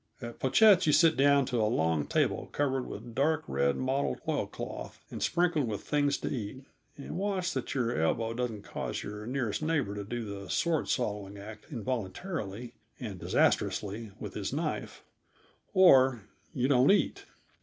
At Pochette's you sit down to a long table covered with dark red mottled oilcloth and sprinkled with things to eat, and watch that your elbow doesn't cause your nearest neighbor to do the sword swallowing act involuntarily and disastrously with his knife, or you don't eat.